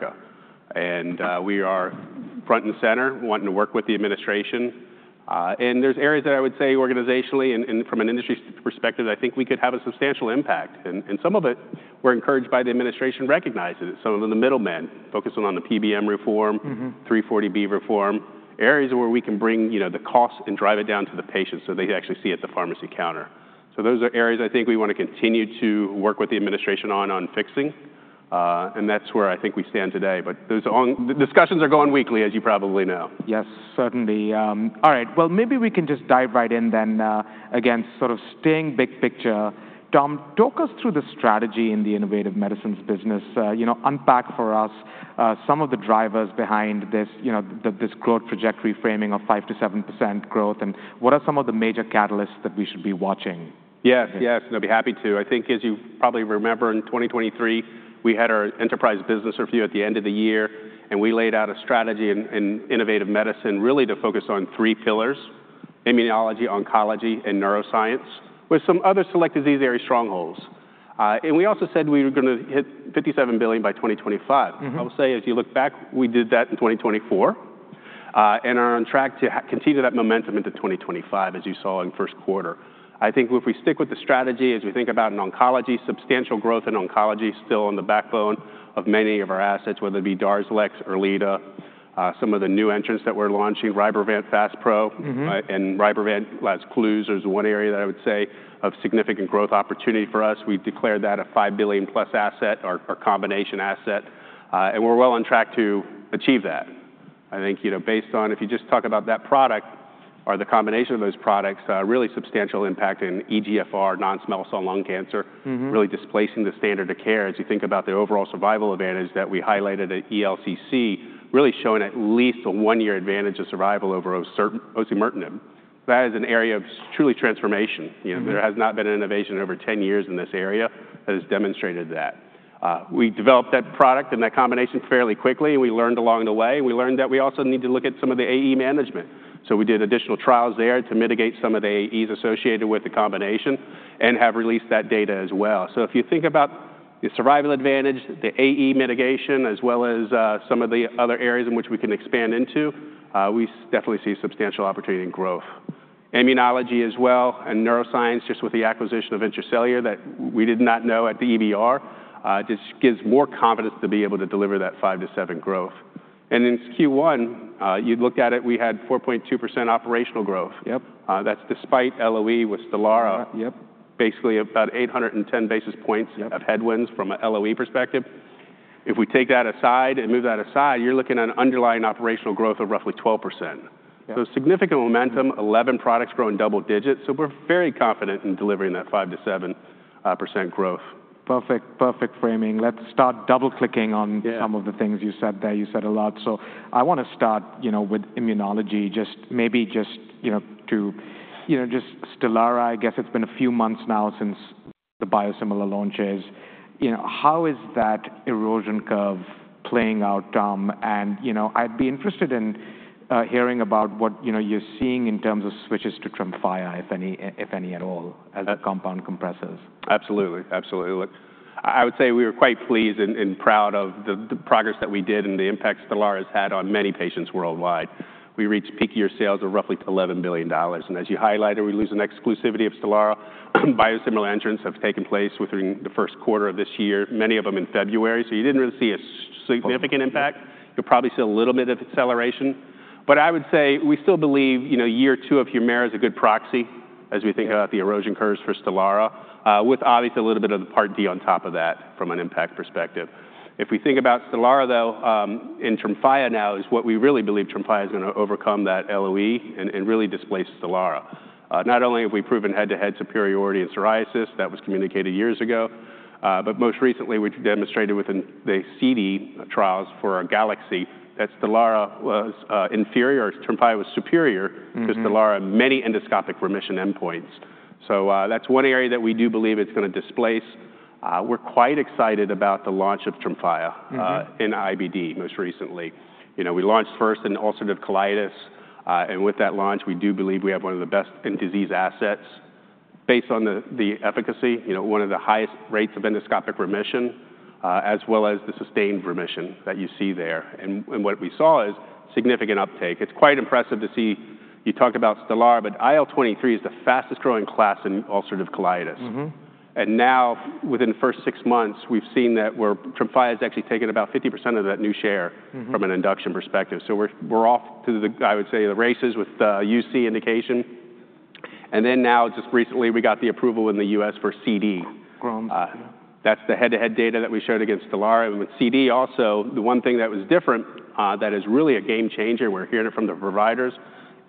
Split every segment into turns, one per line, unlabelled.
America. We are front and center, wanting to work with the administration. There are areas that I would say, organizationally and from an industry perspective, that I think we could have a substantial impact. Some of it, we're encouraged by—the administration recognizes it. Some of the middlemen, focusing on the PBM reform, 340B reform, areas where we can bring the cost and drive it down to the patient so they actually see it at the pharmacy counter. Those are areas I think we want to continue to work with the administration on, on fixing. That is where I think we stand today. Those discussions are going weekly, as you probably know.
Yes, certainly. All right. Maybe we can just dive right in then. Again, sort of staying big picture, Dom, talk us through the strategy in the innovative medicines business. Unpack for us some of the drivers behind this growth trajectory framing of 5%-7% growth. What are some of the major catalysts that we should be watching?
Yes, yes. I'd be happy to. I think, as you probably remember, in 2023, we had our enterprise business review at the end of the year. We laid out a strategy in innovative medicine really to focus on three pillars: immunology, oncology, and neuroscience, with some other select disease area strongholds. We also said we were going to hit $57 billion by 2025. I will say, as you look back, we did that in 2024. We're on track to continue that momentum into 2025, as you saw in the first quarter. I think if we stick with the strategy, as we think about in oncology, substantial growth in oncology is still on the backbone of many of our assets, whether it be Darzalex, Erleada, some of the new entrants that we're launching, Rybrevant FastPro, and Rybrevant Lazcluze. There's one area that I would say of significant growth opportunity for us. We declared that a $5 billion-plus asset, our combination asset. And we're well on track to achieve that. I think, based on if you just talk about that product or the combination of those products, really substantial impact in EGFR, non-small cell lung cancer, really displacing the standard of care. As you think about the overall survival advantage that we highlighted at ELCC, really showing at least a one-year advantage of survival over Osimertinib. That is an area of truly transformation. There has not been an innovation over 10 years in this area that has demonstrated that. We developed that product and that combination fairly quickly. And we learned along the way. And we learned that we also need to look at some of the AE management. We did additional trials there to mitigate some of the AEs associated with the combination and have released that data as well. If you think about the survival advantage, the AE mitigation, as well as some of the other areas in which we can expand into, we definitely see substantial opportunity in growth. Immunology as well, and neuroscience, just with the acquisition of Intracellular that we did not know at the EBR, just gives more confidence to be able to deliver that 5%-7% growth. In Q1, you looked at it, we had 4.2% operational growth. That is despite LOE with Stelara, basically about 810 basis points of headwinds from an LOE perspective. If we take that aside and move that aside, you are looking at an underlying operational growth of roughly 12%. Significant momentum, 11 products growing double digits. We're very confident in delivering that 5%-7% growth.
Perfect, perfect framing. Let's start double-clicking on some of the things you said there. You said a lot. I want to start with immunology, just maybe just to just Stelara. I guess it's been a few months now since the biosimilar launches. How is that erosion curve playing out, Dom? I'd be interested in hearing about what you're seeing in terms of switches to Tremfya, if any at all, as compound compressors. Absolutely, absolutely. Look, I would say we were quite pleased and proud of the progress that we did and the impact Stelara has had on many patients worldwide. We reached peak year sales of roughly $11 billion. As you highlighted, we lose an exclusivity of Stelara. Biosimilar entrants have taken place within the first quarter of this year, many of them in February. You did not really see a significant impact. You will probably see a little bit of acceleration. I would say we still believe year two of Humira is a good proxy as we think about the erosion curves for Stelara, with obviously a little bit of the Part D on top of that from an impact perspective. If we think about Stelara, though, and Tremfya now is what we really believe Tremfya is going to overcome that LOE and really displace Stelara. Not only have we proven head-to-head superiority in psoriasis that was communicated years ago, but most recently, we demonstrated within the CD trials for our galaxy that Stelara was inferior, or Tremfya was superior to Stelara in many endoscopic remission endpoints. That is one area that we do believe it is going to displace. We are quite excited about the launch of Tremfya in IBD most recently. We launched first in ulcerative colitis. With that launch, we do believe we have one of the best in disease assets based on the efficacy, one of the highest rates of endoscopic remission, as well as the sustained remission that you see there. What we saw is significant uptake. It is quite impressive to see you talk about Stelara, but IL-23 is the fastest growing class in ulcerative colitis. Now, within the first six months, we've seen that Tremfya has actually taken about 50% of that new share from an induction perspective. We are off to the, I would say, the races with UC indication. Now, just recently, we got the approval in the U.S. for CD. Grounds.
That's the head-to-head data that we showed against Stelara. With CD also, the one thing that was different that is really a game changer, we're hearing it from the providers,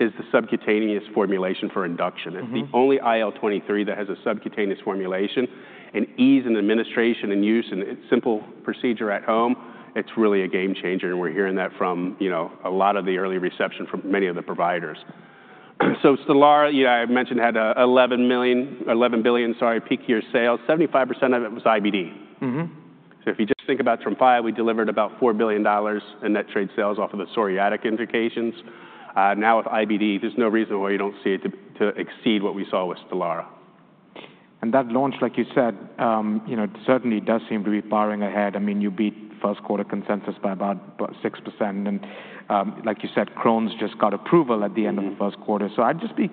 is the subcutaneous formulation for induction. It's the only IL-23 that has a subcutaneous formulation. Ease in administration and use and simple procedure at home, it's really a game changer. We're hearing that from a lot of the early reception from many of the providers. Stelara, I mentioned, had $11 billion, sorry, peak year sales. 75% of it was IBD. If you just think about Tremfya, we delivered about $4 billion in net trade sales off of the psoriatic indications. Now, with IBD, there's no reason why you don't see it to exceed what we saw with Stelara.
That launch, like you said, certainly does seem to be powering ahead. I mean, you beat first quarter consensus by about 6%. Like you said, Crohn's just got approval at the end of the first quarter. I'd just be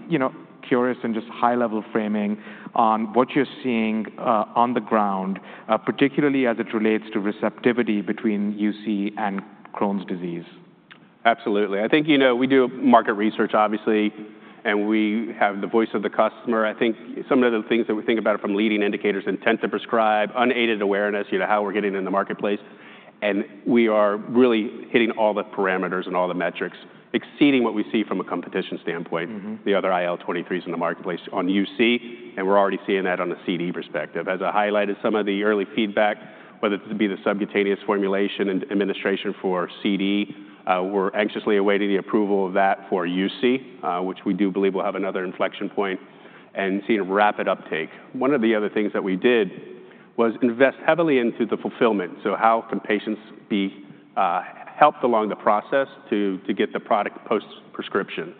curious and just high-level framing on what you're seeing on the ground, particularly as it relates to receptivity between UC and Crohn's disease.
Absolutely. I think we do market research, obviously, and we have the voice of the customer. I think some of the things that we think about from leading indicators and tend to prescribe, unaided awareness, how we're getting in the marketplace. We are really hitting all the parameters and all the metrics, exceeding what we see from a competition standpoint, the other IL-23s in the marketplace on UC. We are already seeing that on the CD perspective. As I highlighted, some of the early feedback, whether it be the subcutaneous formulation and administration for CD, we're anxiously awaiting the approval of that for UC, which we do believe will have another inflection point and see rapid uptake. One of the other things that we did was invest heavily into the fulfillment. How can patients be helped along the process to get the product post-prescription?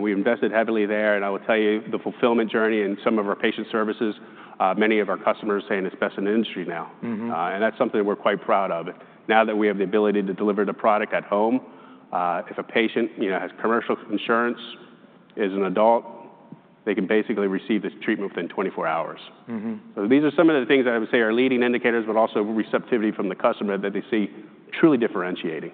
We invested heavily there. I will tell you, the fulfillment journey and some of our patient services, many of our customers say it's best in the industry now. That's something we're quite proud of. Now that we have the ability to deliver the product at home, if a patient has commercial insurance, is an adult, they can basically receive this treatment within 24 hours. These are some of the things that I would say are leading indicators, but also receptivity from the customer that they see truly differentiating.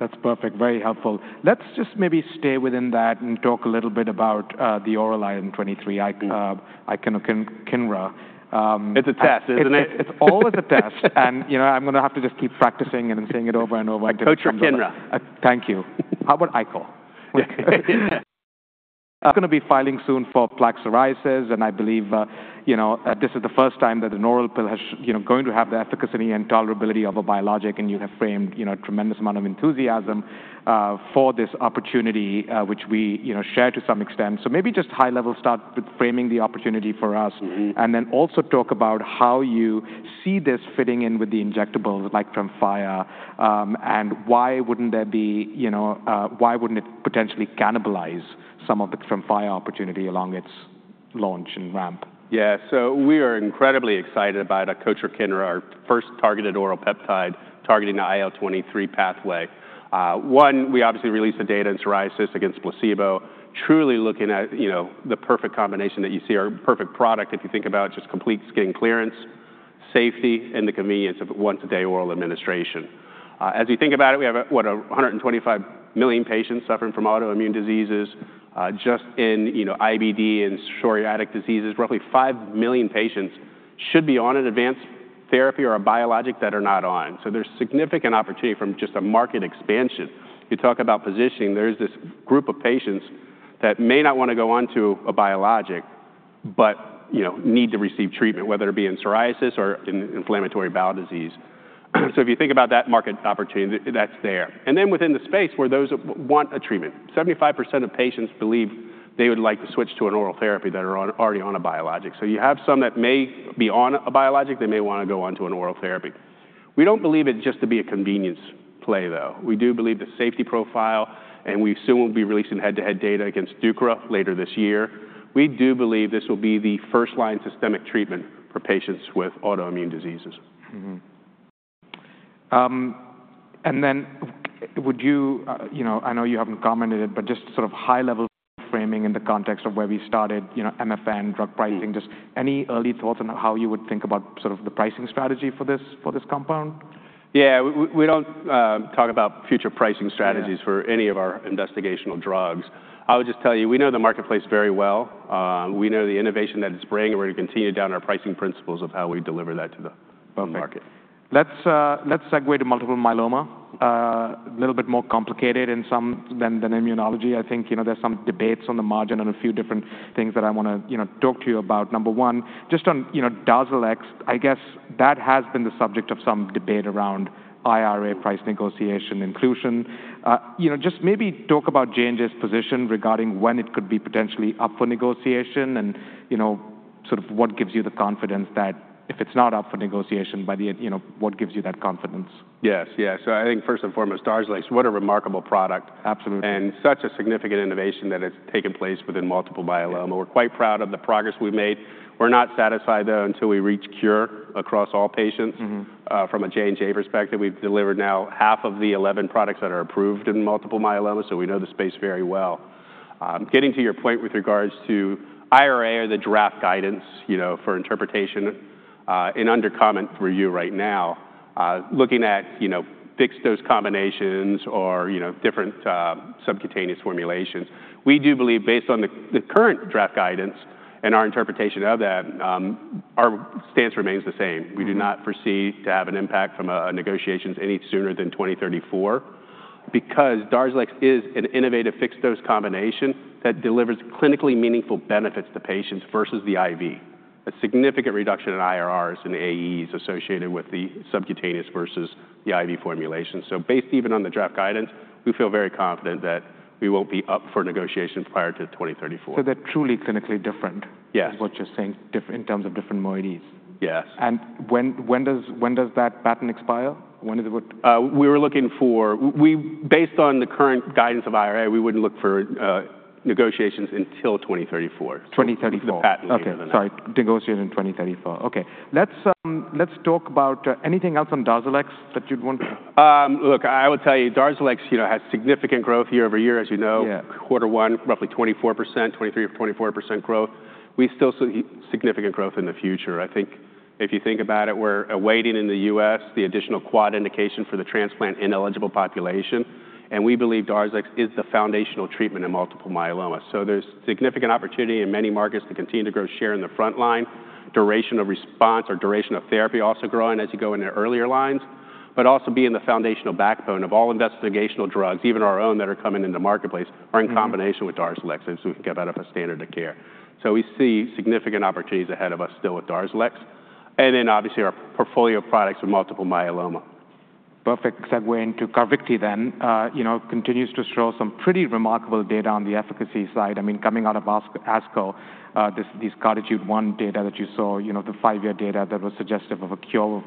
That's perfect. Very helpful. Let's just maybe stay within that and talk a little bit about the oral IL-23, JNJ-2113.
It's a test, isn't it?
It's always a test. I'm going to have to just keep practicing and seeing it over and over again.
Coach Icotrokinra.
Thank you. How about Icot? I'm going to be filing soon for plaque psoriasis. I believe this is the first time that an oral pill is going to have the efficacy and tolerability of a biologic. You have framed a tremendous amount of enthusiasm for this opportunity, which we share to some extent. Maybe just high-level start with framing the opportunity for us. Also talk about how you see this fitting in with the injectables like Tremfya. Why wouldn't it potentially cannibalize some of the Tremfya opportunity along its launch and ramp?
Yeah. We are incredibly excited about Icotrokinra, our first targeted oral peptide targeting the IL-23 pathway. One, we obviously released the data in psoriasis against placebo, truly looking at the perfect combination that you see, our perfect product if you think about just complete skin clearance, safety, and the convenience of once-a-day oral administration. As you think about it, we have, what, 125 million patients suffering from autoimmune diseases. Just in IBD and psoriatic diseases, roughly 5 million patients should be on an advanced therapy or a biologic that are not on. There is significant opportunity from just a market expansion. You talk about positioning, there is this group of patients that may not want to go on to a biologic, but need to receive treatment, whether it be in psoriasis or in inflammatory bowel disease. If you think about that market opportunity, that's there. Within the space where those want a treatment, 75% of patients believe they would like to switch to an oral therapy that are already on a biologic. You have some that may be on a biologic, they may want to go on to an oral therapy. We do not believe it just to be a convenience play, though. We do believe the safety profile, and we soon will be releasing head-to-head data against DUCRA later this year. We do believe this will be the first-line systemic treatment for patients with autoimmune diseases.
Would you, I know you haven't commented it, but just sort of high-level framing in the context of where we started, MFN, drug pricing, just any early thoughts on how you would think about sort of the pricing strategy for this compound?
Yeah, we don't talk about future pricing strategies for any of our investigational drugs. I would just tell you, we know the marketplace very well. We know the innovation that it's bringing. We're going to continue down our pricing principles of how we deliver that to the market.
Let's segue to multiple myeloma. A little bit more complicated in some than immunology. I think there's some debates on the margin on a few different things that I want to talk to you about. Number one, just on Darzalex, I guess that has been the subject of some debate around IRA price negotiation inclusion. Just maybe talk about J&J's position regarding when it could be potentially up for negotiation and sort of what gives you the confidence that if it's not up for negotiation, what gives you that confidence?
Yes, yeah. I think first and foremost, Darzalex, what a remarkable product.
Absolutely.
Such a significant innovation has taken place within multiple myeloma. We're quite proud of the progress we've made. We're not satisfied, though, until we reach cure across all patients. From a J&J perspective, we've delivered now half of the 11 products that are approved in multiple myeloma. We know the space very well. Getting to your point with regards to IRA or the draft guidance for interpretation, in under comment for you right now, looking at fixed dose combinations or different subcutaneous formulations, we do believe, based on the current draft guidance and our interpretation of that, our stance remains the same. We do not foresee to have an impact from negotiations any sooner than 2034 because Darzalex is an innovative fixed dose combination that delivers clinically meaningful benefits to patients versus the I.V. A significant reduction in IRRs and AEs associated with the subcutaneous versus the I.V. formulation. Based even on the draft guidance, we feel very confident that we won't be up for negotiation prior to 2034.
They're truly clinically different.
Yes.
Is what you're saying in terms of different moieties?
Yes.
When does that patent expire? When is it?
We were looking for, based on the current guidance of IRA, we would not look for negotiations until 2034.
2034.
With the patent other than that.
Sorry, negotiating in 2034. Okay. Let's talk about anything else on Darzalex that you'd want to.
Look, I would tell you, Darzalex has significant growth year over year, as you know. Quarter one, roughly 24%, 23%, 24% growth. We still see significant growth in the future. I think if you think about it, we're awaiting in the U.S. the additional quad indication for the transplant ineligible population. We believe Darzalex is the foundational treatment in multiple myeloma. There is significant opportunity in many markets to continue to grow share in the front line, duration of response or duration of therapy also growing as you go into earlier lines, but also being the foundational backbone of all investigational drugs, even our own that are coming into the marketplace, are in combination with Darzalex as we get out of a standard of care. We see significant opportunities ahead of us still with Darzalex. Obviously our portfolio of products with multiple myeloma.
Perfect segue into Carvykti then. Continues to show some pretty remarkable data on the efficacy side. I mean, coming out of ASCO, these CARTITUDE-1 data that you saw, the five-year data that was suggestive of a cure,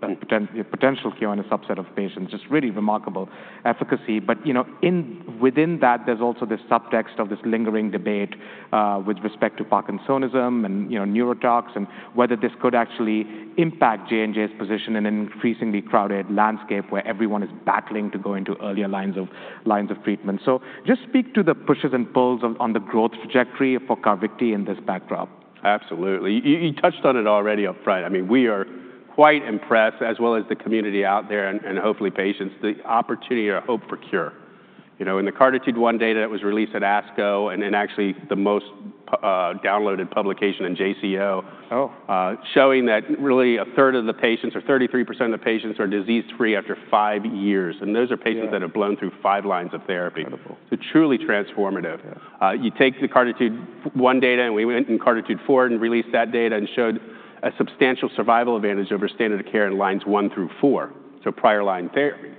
potential cure in a subset of patients, just really remarkable efficacy. Within that, there's also this subtext of this lingering debate with respect to Parkinsonism and neurotox and whether this could actually impact J&J's position in an increasingly crowded landscape where everyone is battling to go into earlier lines of treatment. Just speak to the pushes and pulls on the growth trajectory for Carvykti in this backdrop.
Absolutely. You touched on it already upfront. I mean, we are quite impressed, as well as the community out there and hopefully patients, the opportunity or hope for cure. In the CARTITUDE-1 data that was released at ASCO and actually the most downloaded publication in JCO showing that really a third of the patients or 33% of the patients are disease-free after five years. Those are patients that have blown through five lines of therapy.
Wonderful.
Truly transformative. You take the CARTITUDE-1 data and we went in CARTITUDE-4 and released that data and showed a substantial survival advantage over standard of care in lines one through four, so prior line therapy.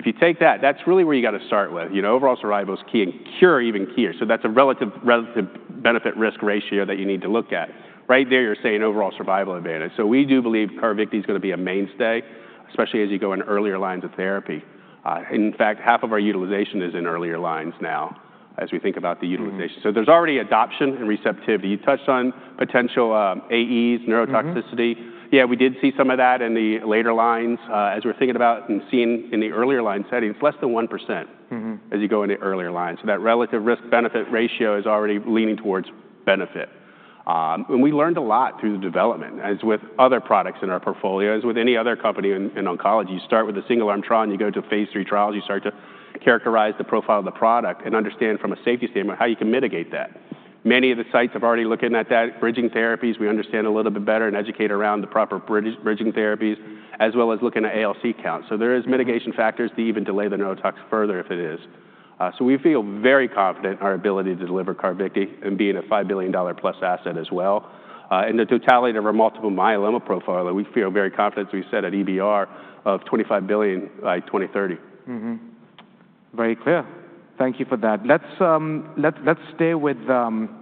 If you take that, that's really where you got to start with. Overall survival is key and cure even keyer. That's a relative benefit-risk ratio that you need to look at. Right there, you're saying overall survival advantage. We do believe Carvykti is going to be a mainstay, especially as you go in earlier lines of therapy. In fact, half of our utilization is in earlier lines now as we think about the utilization. There's already adoption and receptivity. You touched on potential AEs, neurotoxicity. Yeah, we did see some of that in the later lines. As we're thinking about and seeing in the earlier line setting, it's less than 1% as you go into earlier lines. That relative risk-benefit ratio is already leaning towards benefit. We learned a lot through the development, as with other products in our portfolio, as with any other company in oncology. You start with a single-arm trial, and you go to phase three trials. You start to characterize the profile of the product and understand from a safety standpoint how you can mitigate that. Many of the sites have already looked at that, bridging therapies. We understand a little bit better and educate around the proper bridging therapies, as well as looking at ALC counts. There are mitigation factors to even delay the neurotox further if it is. We feel very confident in our ability to deliver Carvykti and being a $5 billion-plus asset as well. In the totality of our multiple myeloma profile, we feel very confident, as we said at EBR, of $25 billion by 2030.
Very clear. Thank you for that. Let's stay within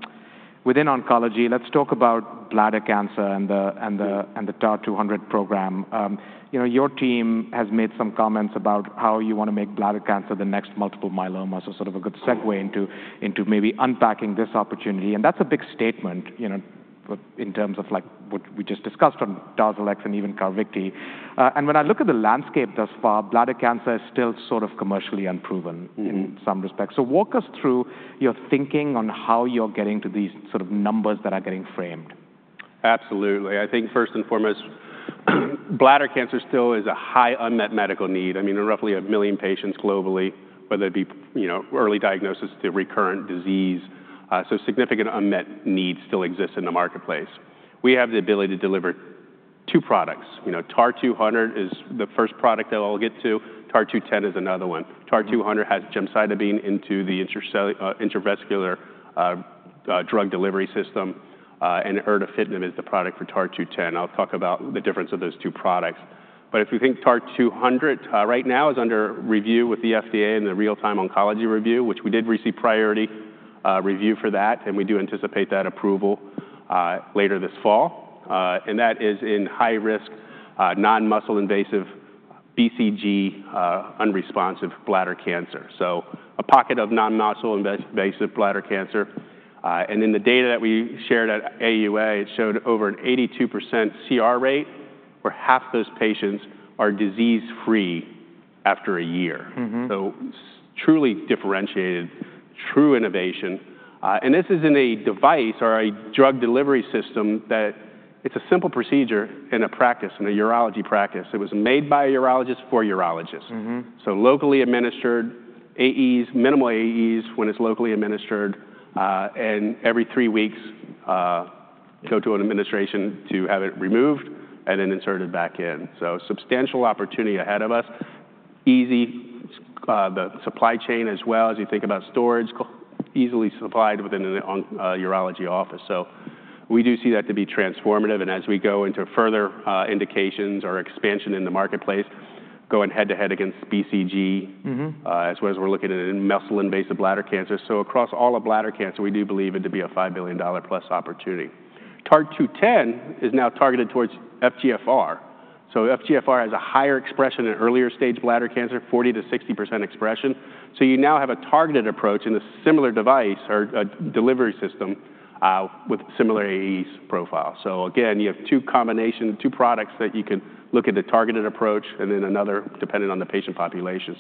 oncology. Let's talk about bladder cancer and the TAR-200 program. Your team has made some comments about how you want to make bladder cancer the next multiple myeloma, so sort of a good segue into maybe unpacking this opportunity. That is a big statement in terms of what we just discussed on Darzalex and even Carvykti. When I look at the landscape thus far, bladder cancer is still sort of commercially unproven in some respects. Walk us through your thinking on how you're getting to these sort of numbers that are getting framed.
Absolutely. I think first and foremost, bladder cancer still is a high unmet medical need. I mean, roughly a million patients globally, whether it be early diagnosis to recurrent disease. Significant unmet need still exists in the marketplace. We have the ability to deliver two products. TAR-200 is the first product that I'll get to. TAR-210 is another one. TAR-200 has gemcitabine in the intravesical drug delivery system. And erdafitinib is the product for TAR-210. I'll talk about the difference of those two products. If you think, TAR-200 right now is under review with the FDA and the Real-Time Oncology Review, which we did receive priority review for. We do anticipate that approval later this fall. That is in high-risk, non-muscle-invasive, BCG unresponsive bladder cancer. A pocket of non-muscle-invasive bladder cancer. In the data that we shared at AUA, it showed over an 82% CR rate, where half those patients are disease-free after a year. Truly differentiated, true innovation. This is in a device or a drug delivery system that is a simple procedure in a practice, in a urology practice. It was made by a urologist for a urologist. Locally administered, AEs, minimal AEs when it is locally administered. Every three weeks, go to an administration to have it removed and then insert it back in. Substantial opportunity ahead of us. Easy, the supply chain as well as you think about storage, easily supplied within the urology office. We do see that to be transformative. As we go into further indications or expansion in the marketplace, going head-to-head against BCG, as well as looking at muscle-invasive bladder cancer. Across all of bladder cancer, we do believe it to be a $5 billion-plus opportunity. TAR-210 is now targeted towards FGFR. FGFR has a higher expression in earlier-stage bladder cancer, 40%-60% expression. You now have a targeted approach in a similar device or delivery system with similar AEs profile. You have two combinations, two products that you can look at: the targeted approach and then another dependent on the patient population.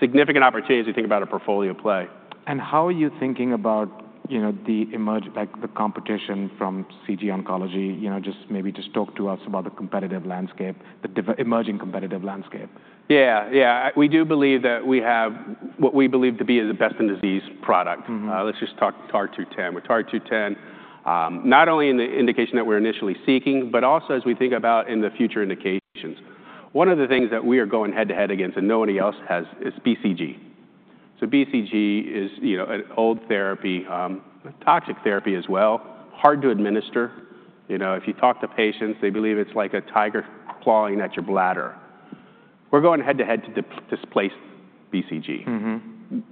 Significant opportunity as you think about a portfolio play.
How are you thinking about the competition from CG Oncology? Just maybe just talk to us about the competitive landscape, the emerging competitive landscape.
Yeah, yeah. We do believe that we have what we believe to be the best-in-disease product. Let's just talk TAR-210. With TAR-210, not only in the indication that we're initially seeking, but also as we think about in the future indications. One of the things that we are going head-to-head against and nobody else has is BCG. BCG is an old therapy, toxic therapy as well, hard to administer. If you talk to patients, they believe it's like a tiger clawing at your bladder. We're going head-to-head to displace BCG.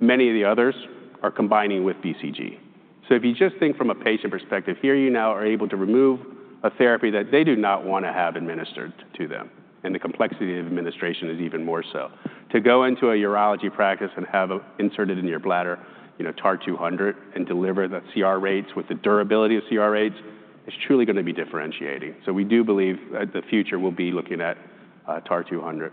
Many of the others are combining with BCG. If you just think from a patient perspective, here you now are able to remove a therapy that they do not want to have administered to them. The complexity of administration is even more so. To go into a urology practice and have it inserted in your bladder, TAR-200, and deliver the CR rates with the durability of CR rates, it's truly going to be differentiating. We do believe that the future will be looking at TAR-200.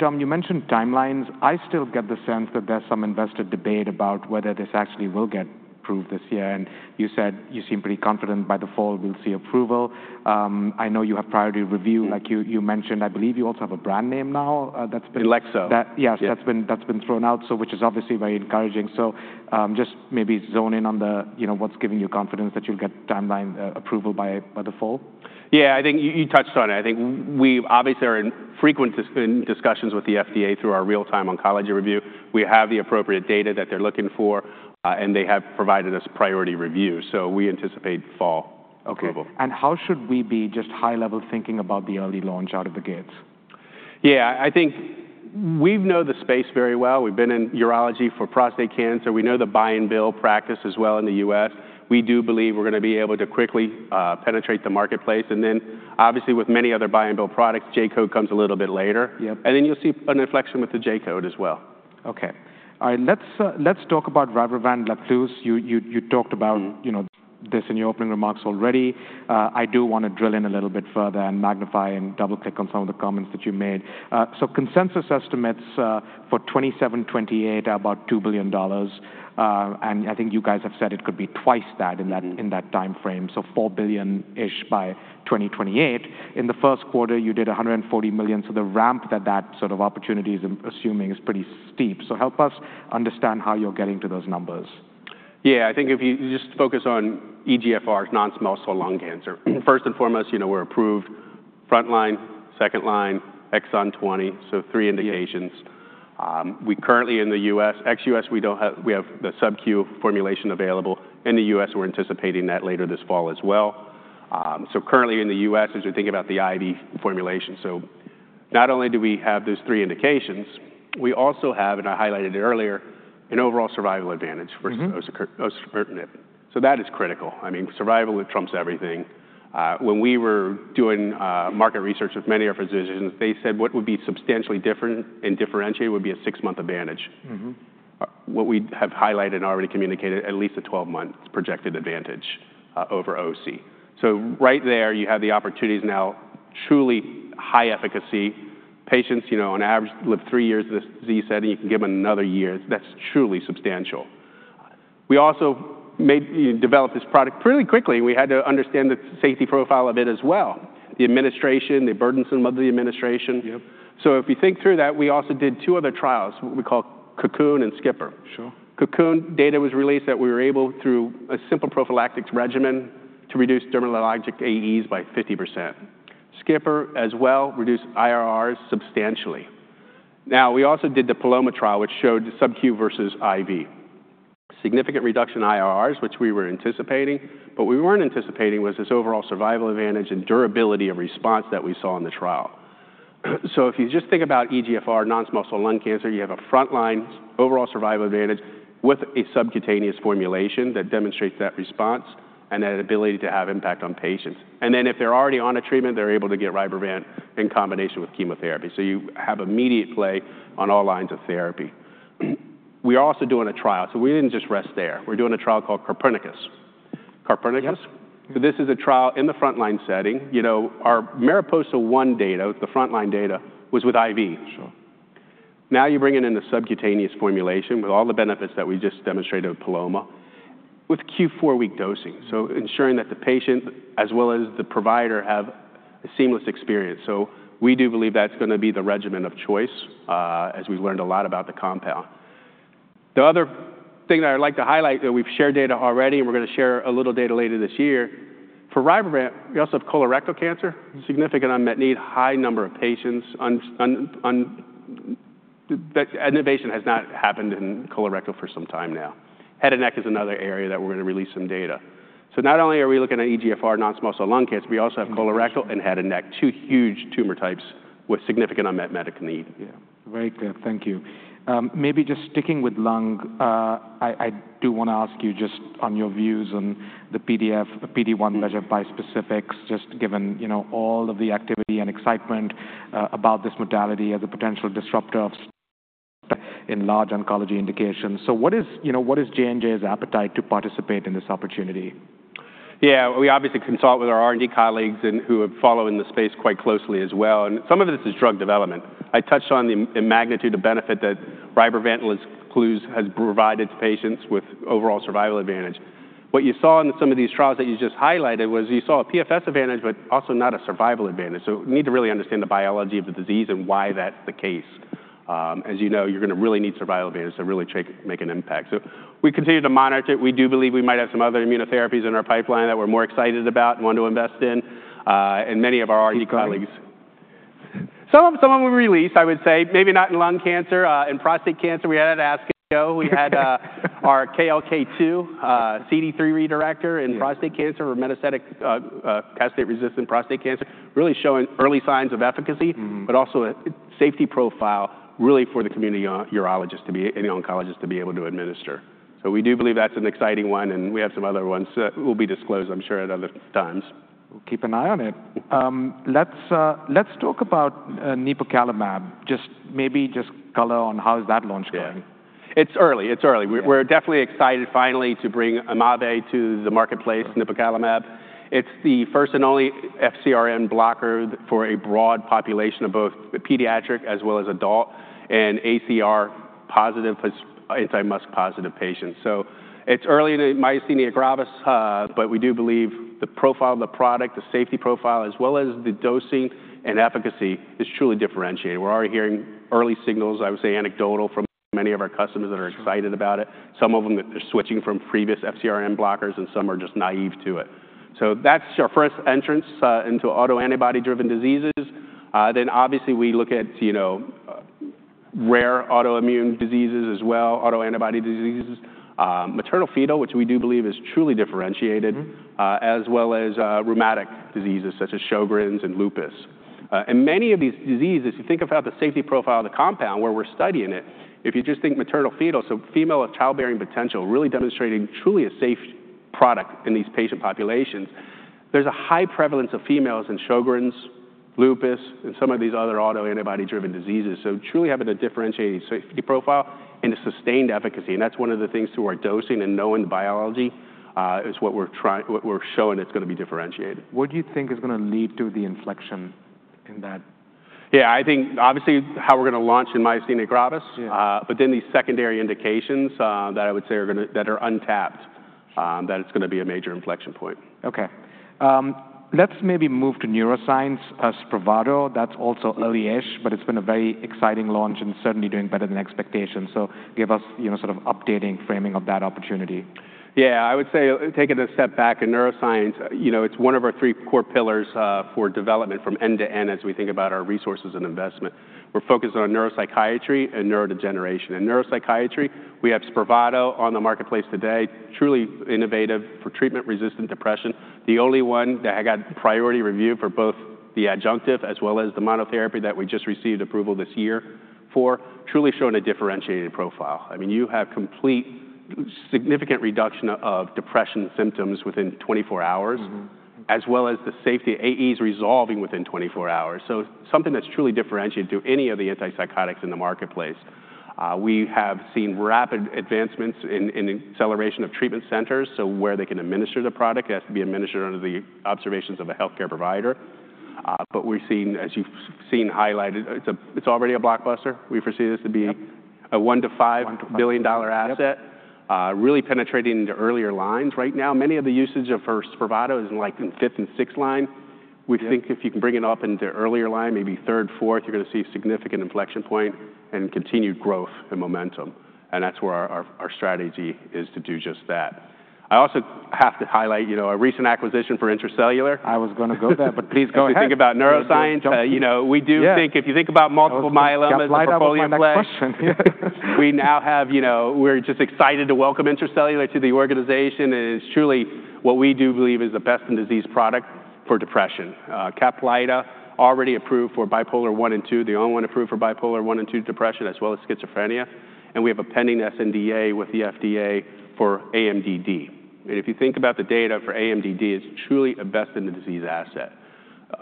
Dom, you mentioned timelines. I still get the sense that there's some invested debate about whether this actually will get approved this year. You said you seem pretty confident by default we'll see approval. I know you have priority review, like you mentioned. I believe you also have a brand name now that's been.
Ilexa.
Yes, that's been thrown out, which is obviously very encouraging. Just maybe zone in on what's giving you confidence that you'll get timeline approval by the fall?
Yeah, I think you touched on it. I think we obviously are in frequent discussions with the FDA through our Real-Time Oncology Review. We have the appropriate data that they're looking for, and they have provided us priority review. We anticipate fall approval.
Okay. How should we be just high-level thinking about the early launch out of the gates?
Yeah, I think we know the space very well. We've been in urology for prostate cancer. We know the buy-and-bill practice as well in the U.S. We do believe we're going to be able to quickly penetrate the marketplace. Obviously, with many other buy-and-bill products, J-Code comes a little bit later. You will see an inflection with the J-Code as well.
Okay. All right. Let's talk about Rybrevant Lazcluze. You talked about this in your opening remarks already. I do want to drill in a little bit further and magnify and double-click on some of the comments that you made. Consensus estimates for 2027-2028 are about $2 billion. I think you guys have said it could be twice that in that timeframe, so $4 billion-ish by 2028. In the first quarter, you did $140 million. The ramp that that sort of opportunity is assuming is pretty steep. Help us understand how you're getting to those numbers.
Yeah, I think if you just focus on EGFRs, non-small cell lung cancer. First and foremost, we're approved front line, second line, exon 20, so three indications. We currently in the U.S., ex-U.S., we have the sub-q formulation available. In the U.S., we're anticipating that later this fall as well. Currently in the U.S., as we think about the IV formulation, not only do we have those three indications, we also have, and I highlighted it earlier, an overall survival advantage versus osimertinib. That is critical. I mean, survival trumps everything. When we were doing market research with many of our physicians, they said what would be substantially different and differentiated would be a six-month advantage. What we have highlighted and already communicated, at least a 12-month projected advantage over OC. Right there, you have the opportunities now, truly high efficacy. Patients, on average, live three years in this setting. You can give them another year. That's truly substantial. We also developed this product pretty quickly. We had to understand the safety profile of it as well, the administration, the burdensome of the administration. If you think through that, we also did two other trials, what we call Cocoon and SKIPPirr.
Sure.
Cocoon data was released that we were able, through a simple prophylactic regimen, to reduce dermatologic AEs by 50%. SKIPPirr as well reduced IRRs substantially. We also did the Paloma trial, which showed sub-q versus I.V. Significant reduction in IRRs, which we were anticipating. What we were not anticipating was this overall survival advantage and durability of response that we saw in the trial. If you just think about EGFR, non-small cell lung cancer, you have a front line overall survival advantage with a subcutaneous formulation that demonstrates that response and that ability to have impact on patients. If they are already on a treatment, they are able to get Rybrevant in combination with chemotherapy. You have immediate play on all lines of therapy. We are also doing a trial. We did not just rest there. We are doing a trial called COPERNICUS.
COPERNICUS?
Yes. This is a trial in the front line setting. Our MARIPOSA 1 data, the front line data, was with IV.
Sure.
Now you bring it in the subcutaneous formulation with all the benefits that we just demonstrated with Paloma, with Q4-week dosing. Ensuring that the patient as well as the provider have a seamless experience. We do believe that's going to be the regimen of choice as we've learned a lot about the compound. The other thing that I'd like to highlight, we've shared data already, and we're going to share a little data later this year. For Rybrevant, we also have colorectal cancer, significant unmet need, high number of patients. Innovation has not happened in colorectal for some time now. Head and neck is another area that we're going to release some data. Not only are we looking at EGFR, non-small cell lung cancer, we also have colorectal and head and neck, two huge tumor types with significant unmet medical need.
Very clear. Thank you. Maybe just sticking with lung, I do want to ask you just on your views on the PD1 measure bispecifics, just given all of the activity and excitement about this modality as a potential disruptor of in large oncology indications. What is J&J's appetite to participate in this opportunity?
Yeah, we obviously consult with our R&D colleagues who are following the space quite closely as well. Some of this is drug development. I touched on the magnitude of benefit that Rybrevant has provided to patients with overall survival advantage. What you saw in some of these trials that you just highlighted was you saw a PFS advantage, but also not a survival advantage. We need to really understand the biology of the disease and why that's the case. As you know, you're going to really need survival advantage to really make an impact. We continue to monitor it. We do believe we might have some other immunotherapies in our pipeline that we're more excited about and want to invest in. And many of our R&D colleagues.
That's good.
Some of them were released, I would say, maybe not in lung cancer. In prostate cancer, we had our go. We had our KLK2, CD3 redirector in prostate cancer or metastatic castrate-resistant prostate cancer, really showing early signs of efficacy, but also a safety profile really for the community urologist to be in oncologists to be able to administer. We do believe that's an exciting one. We have some other ones that will be disclosed, I'm sure, at other times.
We'll keep an eye on it. Let's talk about Nipocalimab. Just maybe just color on how is that launch going?
Yeah, it's early. It's early. We're definitely excited finally to bring Imaavy to the marketplace, Nipocalimab. It's the first and only FcRn blocker for a broad population of both pediatric as well as adult and ACR positive, anti-MuSK positive patients. It's early in myasthenia gravis, but we do believe the profile of the product, the safety profile, as well as the dosing and efficacy is truly differentiated. We're already hearing early signals, I would say anecdotal, from many of our customers that are excited about it. Some of them are switching from previous FcRn blockers, and some are just naive to it. That's our first entrance into autoantibody-driven diseases. Obviously we look at rare autoimmune diseases as well, autoantibody diseases, maternal fetal, which we do believe is truly differentiated, as well as rheumatic diseases such as Sjögren's and lupus. Many of these diseases, if you think about the safety profile of the compound where we're studying it, if you just think maternal fetal, so female child-bearing potential, really demonstrating truly a safe product in these patient populations, there's a high prevalence of females in Sjögren's, lupus, and some of these other autoantibody-driven diseases. Truly having a differentiated safety profile and a sustained efficacy. That is one of the things through our dosing and knowing the biology is what we're showing it's going to be differentiated.
What do you think is going to lead to the inflection in that?
Yeah, I think obviously how we're going to launch in myasthenia gravis, but then these secondary indications that I would say are going to that are untapped, that it's going to be a major inflection point.
Okay. Let's maybe move to neuroscience. Spravato, that's also early-ish, but it's been a very exciting launch and certainly doing better than expectations. Give us sort of updating framing of that opportunity.
Yeah, I would say taking a step back in neuroscience, it's one of our three core pillars for development from end to end as we think about our resources and investment. We're focused on neuropsychiatry and neurodegeneration. In neuropsychiatry, we have Spravato on the marketplace today, truly innovative for treatment-resistant depression. The only one that had got priority review for both the adjunctive as well as the monotherapy that we just received approval this year for, truly showing a differentiated profile. I mean, you have complete significant reduction of depression symptoms within 24 hours, as well as the safety of AEs resolving within 24 hours. Something that's truly differentiated to any of the antipsychotics in the marketplace. We have seen rapid advancements in acceleration of treatment centers, so where they can administer the product, it has to be administered under the observations of a healthcare provider. We have seen, as you have seen highlighted, it is already a blockbuster. We foresee this to be a $1 billion-$5 billion asset, really penetrating into earlier lines right now. Many of the usage of Spravato is in like fifth and sixth line. We think if you can bring it up into earlier line, maybe third, fourth, you are going to see a significant inflection point and continued growth and momentum. That is where our strategy is to do just that. I also have to highlight a recent acquisition for Intracellular.
I was going to go there, but please go ahead.
Please go and think about neuroscience. We do think if you think about multiple myeloma as a portfolio play, we now have, we're just excited to welcome Intracellular to the organization. It is truly what we do believe is the best in disease product for depression. Caplyta already approved for bipolar I and II, the only one approved for bipolar I and II depression, as well as schizophrenia. We have a pending SNDA with the FDA for AMDD. If you think about the data for AMDD, it is truly a best in the disease asset.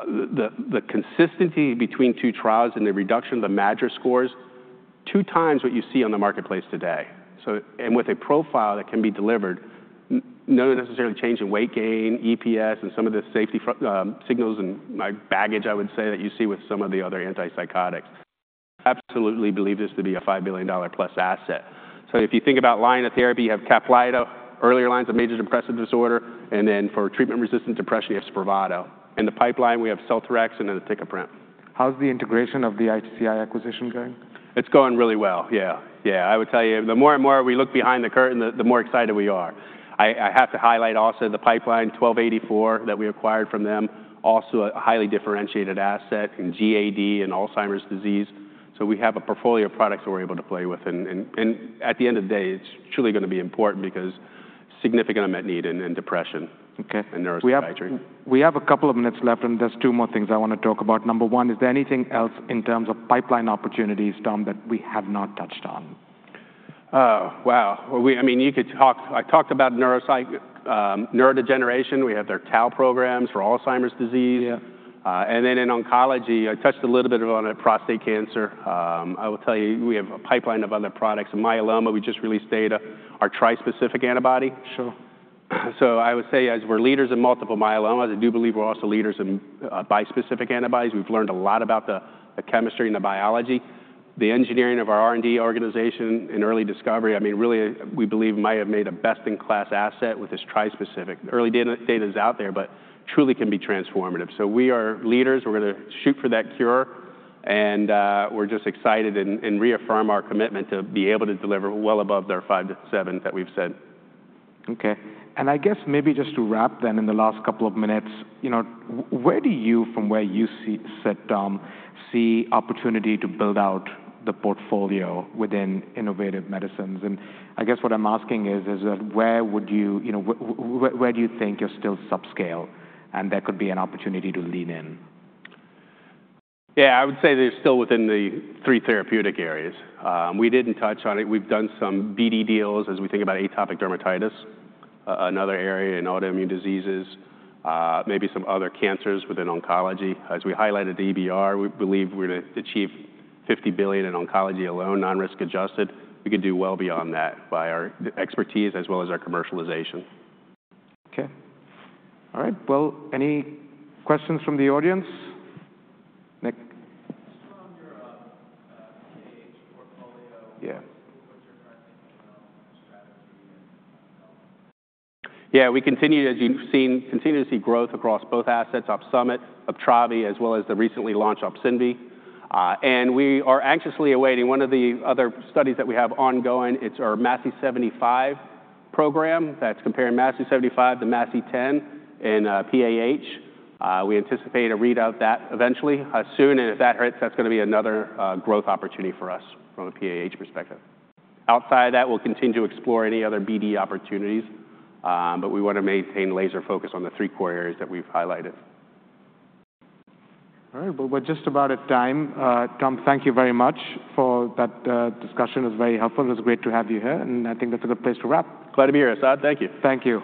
The consistency between two trials and the reduction of the Maddrey scores, two times what you see on the marketplace today. With a profile that can be delivered, no necessarily change in weight gain, EPS, and some of the safety signals and baggage, I would say, that you see with some of the other antipsychotics. Absolutely believe this to be a $5 billion-plus asset. If you think about line of therapy, you have Caplyta, earlier lines of major depressive disorder, and then for treatment-resistant depression, you have Spravato. In the pipeline, we have Celtrex and then the Ticaprim.
How's the integration of the ITCI acquisition going?
It's going really well, yeah. Yeah, I would tell you, the more and more we look behind the curtain, the more excited we are. I have to highlight also the pipeline 1284 that we acquired from them, also a highly differentiated asset in GAD and Alzheimer's disease. We have a portfolio of products that we're able to play with. At the end of the day, it's truly going to be important because significant unmet need in depression and neuropsychiatry.
We have a couple of minutes left, and there's two more things I want to talk about. Number one, is there anything else in terms of pipeline opportunities, Dom, that we have not touched on?
Oh, wow. I mean, you could talk. I talked about neurodegeneration. We have their TAO programs for Alzheimer's disease. In oncology, I touched a little bit on prostate cancer. I will tell you, we have a pipeline of other products. In myeloma, we just released data, our trispecific antibody.
Sure.
I would say as we're leaders in multiple myeloma, I do believe we're also leaders in bispecific antibodies. We've learned a lot about the chemistry and the biology. The engineering of our R&D organization and early discovery, I mean, really we believe might have made a best-in-class asset with this trispecific. Early data is out there, but truly can be transformative. We are leaders. We're going to shoot for that cure. We're just excited and reaffirm our commitment to be able to deliver well above their five to seven that we've said.
Okay. I guess maybe just to wrap then in the last couple of minutes, where do you, from where you sit, Dom, see opportunity to build out the portfolio within innovative medicines? I guess what I'm asking is, where would you, where do you think you're still subscale and there could be an opportunity to lean in?
Yeah, I would say they're still within the three therapeutic areas. We didn't touch on it. We've done some BD deals as we think about atopic dermatitis, another area in autoimmune diseases, maybe some other cancers within oncology. As we highlighted the EBR, we believe we're going to achieve $50 billion in oncology alone, non-risk adjusted. We could do well beyond that by our expertise as well as our commercialization.
Okay. All right. Any questions from the audience? Nick?
Just around your portfolio, what's your current thinking on strategy and development?
Yeah, we continue to, as you've seen, continue to see growth across both assets, Opsumit, Uptravi, as well as the recently launched Opsynvi. We are anxiously awaiting one of the other studies that we have ongoing. It's our MASI 75 program that's comparing MASI 75 to MASI 10 in PAH. We anticipate a readout of that eventually soon. If that hits, that's going to be another growth opportunity for us from a PAH perspective. Outside of that, we'll continue to explore any other BD opportunities, but we want to maintain laser focus on the three core areas that we've highlighted.
All right. We are just about at time. Dom, thank you very much for that discussion. It was very helpful. It was great to have you here. I think that is a good place to wrap.
Glad to be here, Asad. Thank you.
Thank you.